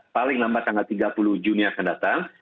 paling lambat tanggal tiga puluh juni akan datang